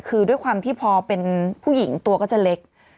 คือด้วยความที่พอเป็นผู้หญิงตัวก็จะเล็ก